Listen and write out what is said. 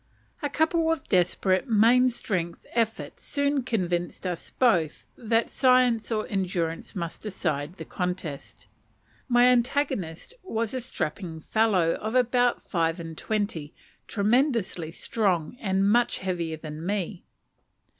A couple of desperate main strength efforts soon convinced us both that science or endurance must decide the contest. My antagonist was a strapping fellow of about five and twenty, tremendously strong, and much heavier than me.